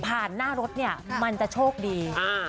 หน้ารถเนี่ยมันจะโชคดี